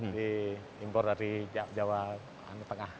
diimpor dari jawa tengah